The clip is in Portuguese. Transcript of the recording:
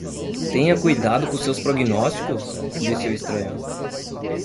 "Tenha cuidado com seus prognósticos?", disse o estranho.